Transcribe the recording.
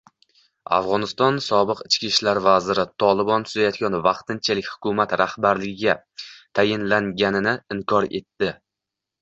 Afg‘oniston sobiq ichki ishlar vaziri “Tolibon” tuzayotgan vaqtinchalik hukumat rahbarligiga tayinlanganini inkor etdi